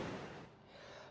sampai jumpa di video selanjutnya